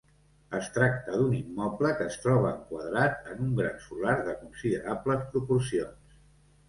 Es tracta d'un immoble que es troba enquadrat en un gran solar de considerables proporcions.